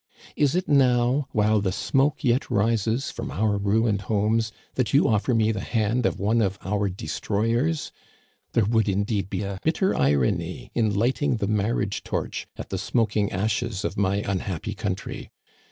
Is it now, while the smoke yet rises from our ruined homes, that you offer me the hand of one of our destroyers? There would, indeed, be a bitter irony in lighting the marriage torch at the smoking ashes of my unhappy country!